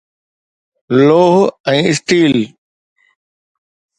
لوهه ۽ اسٽيل